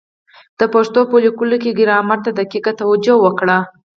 د پښتو په لیکلو کي ګرامر ته دقیقه توجه وکړئ!